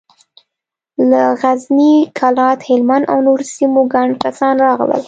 له غزني، کلات، هلمند او نورو سيمو ګڼ کسان راغلل.